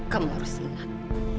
kamu harus ingat